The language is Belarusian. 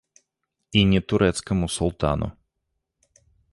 І не турэцкаму султану.